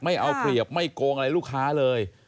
ไม่เอาเปรียบไม่โกงอะไรลูกค้าเลย